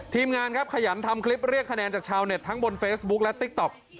ทีมงานครับขยันทำคลิปเรียกคะแนนจากชาวเน็ตทั้งบนเฟซบุ๊คและติ๊กต๊อก